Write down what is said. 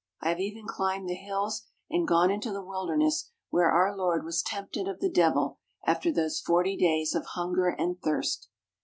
I have even climbed the hills and gone into the wilder ness where our Lord was tempted of the devil after those forty days of hunger and thirst.